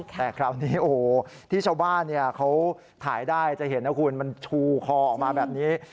แต่คราวนี้โอ้โหที่ชาวบ้านเขาถ่ายได้จะเห็นนะคุณมันชูคอออกมาแบบนี้